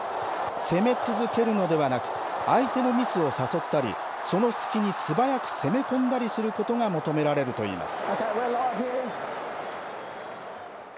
攻め続けるのではなく相手のミスを誘ったりその隙に素早く攻め込んだりすることが求められると言います。